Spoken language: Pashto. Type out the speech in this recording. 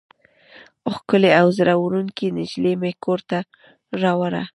ښکلې او زړه وړونکې نجلۍ مې کور ته راوړه.